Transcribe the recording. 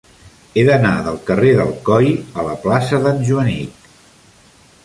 He d'anar del carrer d'Alcoi a la plaça d'en Joanic.